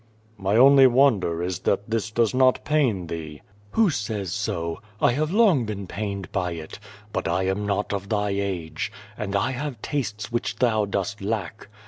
"My only wonder is that this docs not pain thee." "Who says so? I have long been pained by it. But I am not of thy age. And I have tastes which thou dost lack.